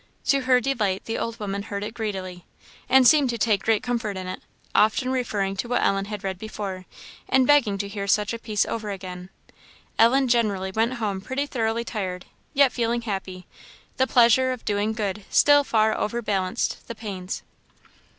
To her delight the old woman heard it greedily, and seemed to take great comfort in it; often referring to what Ellen had read before, and begging to hear such a piece over again. Ellen generally went home pretty thoroughly tired, yet feeling happy; the pleasure of doing good still far overbalanced the pains.